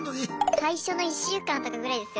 最初の１週間とかぐらいですよ。